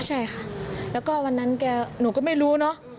ใช่ค่ะแล้วก็วันนั้นแกหนูก็ไม่รู้เนอะ